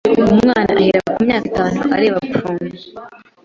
umwana ahera kumyaka itanu areba porn,